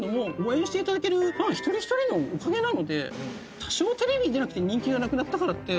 多少テレビに出なくて人気がなくなったからって。